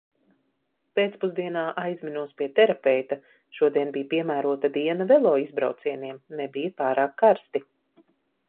Pēcpusdienā aizminos pie terapeita – šodien bija piemērota diena velo izbraucieniem, nebija pārāk karsti.